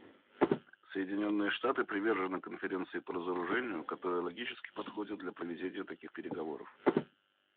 Соединенные Штаты привержены Конференции по разоружению, которая логически подходит для проведения таких переговоров.